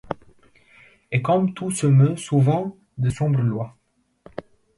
Et, comme tout se meut suivant de sombres lois